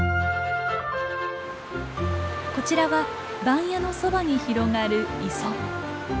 こちらは番屋のそばに広がる磯。